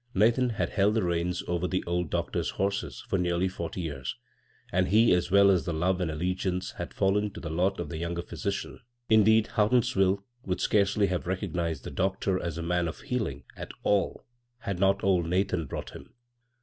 Nathan had held the reins over the old doctor's horses for nearly forty years, and he, as well as the love and allegiance, had fallen to the lot of the younger physician ; in deed, Houghtonsviile would scarcely have recognized the doctor as a man of healing at all had not old Nathan brought him.